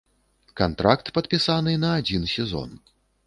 Кантракт падпісаны на адзін сезон.